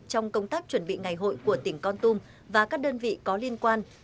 trong công tác chuẩn bị ngày hội của tỉnh con tum và các đơn vị có liên quan